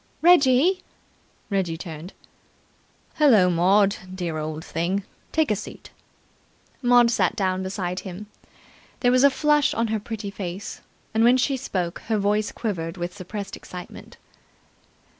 "Reggie!" Reggie turned. "Hullo, Maud, dear old thing. Take a seat." Maud sat down beside him. There was a flush on her pretty face, and when she spoke her voice quivered with suppressed excitement.